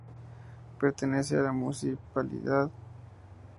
Pertenece a la municipalidad.